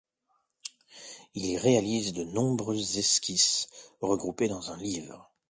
Il y réalise de nombreuses esquisses regroupées dans un livre.